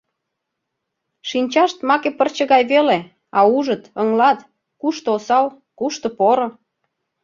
Шинчашт маке пырче гай веле, а ужыт, ыҥлат — кушто осал, кушто поро...